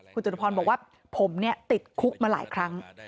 คุณจตุพรบอกว่าผมติดคุกมาหลายครั้ง